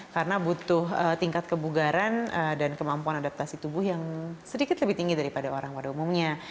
karena butuh tingkat kebugaran dan kemampuan adaptasi tubuh yang sedikit lebih tinggi daripada orang pada umumnya